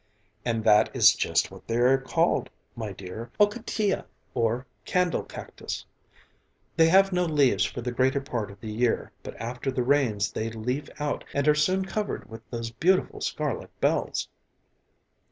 "And that is just what they are called, my dear, ocatilla, or candle cactus. They have no leaves for the greater part of the year, but after the rains they leave out and are soon covered with those beautiful scarlet bells."